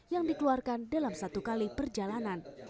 yang dikeluarkan dalam satu kali perjalanan